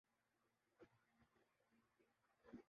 سارے کے سارے مریض بے بس و لاچار۔